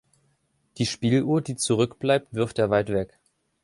Die Spieluhr, die zurückbleibt, wirft er weit weg.